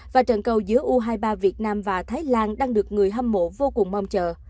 và trận cầu giữa u hai mươi ba việt nam và thái lan đang được người hâm mộ vô cùng mong chờ